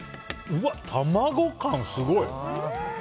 うわ、卵感すごい！